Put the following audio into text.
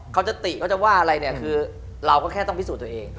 เขาจะติเขาจะว่าอะไรเนี่ยคือเราก็แค่ต้องพิสูจน์ตัวเอง